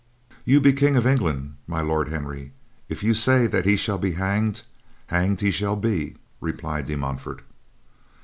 "You be King of England, My Lord Henry. If you say that he shall be hanged, hanged he shall be," replied De Montfort.